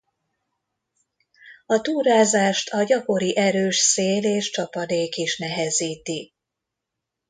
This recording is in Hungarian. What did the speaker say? A túrázást a gyakori erős szél és csapadék is nehezíti.